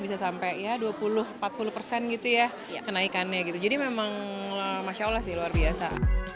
bisa sampai ya dua puluh empat puluh persen gitu ya kenaikannya gitu jadi memang masya allah sih luar biasa